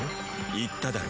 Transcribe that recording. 言っただろ？